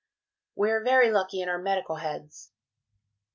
We are very lucky in our Medical Heads.